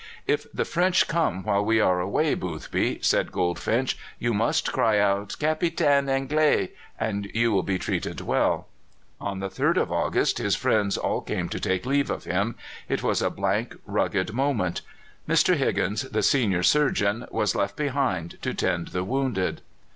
"If the French come while we are away, Boothby," said Goldfinch, "you must cry out, 'Capitaine anglais,' and you will be treated well." On the 3rd of August his friends all came to take leave of him. It was a blank, rugged moment. Mr. Higgins, the senior surgeon, was left behind to tend the wounded.